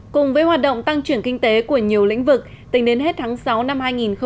cùng với hoạt động tăng trưởng kinh tế của nhiều lĩnh vực tính đến hết tháng sáu năm hai nghìn hai mươi